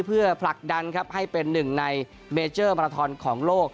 เพื่อผลักดันครับให้เป็นหนึ่งในเมเจอร์มาราทอนของโลก